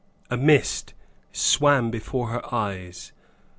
A mist swam before her eyes.